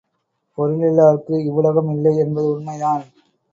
பொருளில்லார்க்கு, இவ்வுலகம் இல்லை என்பது உண்மைதான்!